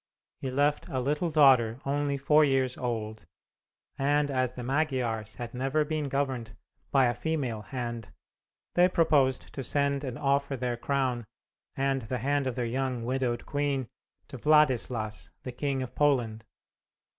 He left a little daughter only four years old, and as the Magyars had never been governed by a female hand, they proposed to send and offer their crown, and the hand of their young widowed queen, to Wladislas, the King of Poland.